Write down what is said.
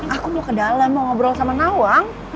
aku mau ke dalam mau ngobrol sama nawang